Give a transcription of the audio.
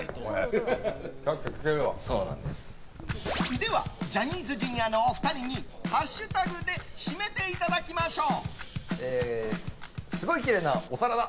ではジャニーズＪｒ．のお二人にハッシュタグで締めていただきましょう。